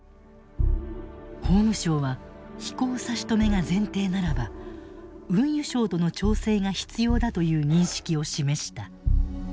法務省は飛行差し止めが前提ならば運輸省との調整が必要だという認識を示した。